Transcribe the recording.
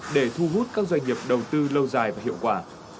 để thu hút các doanh nghiệp đầu tư lâu dài và hiệu quả